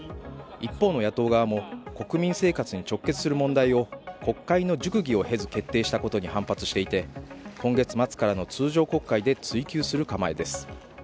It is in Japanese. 一方の雇う側も、国民生活に直結する問題を国会の熟議を経ず決定したことに反発していて、今月末からの通常国会で追及する構えです。